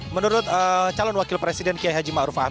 menurut calon wakil presiden kiai haji ma'ruf